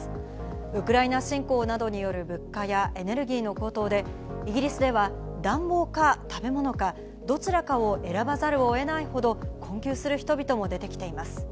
ウクライナ侵攻などによる物価やエネルギーの高騰で、イギリスでは、暖房か食べ物か、どちらかを選ばざるをえないほど、困窮する人々も出てきています。